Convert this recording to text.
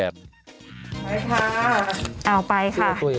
เอาไปค่ะ